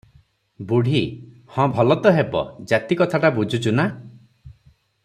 ବୁଢ଼ୀ – ହଁ ଭଲ ତ ହେବ; ଜାତି କଥାଟା ବୁଝିଛୁ ନା?